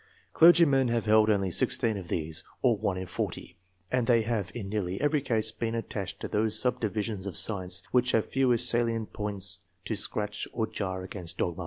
Clergymen have held only 16 of these, or 1 in 40 ; and they have in nearly every case been attached to those subdivisions of science which have fewest salient points to scratch or jar against dogma.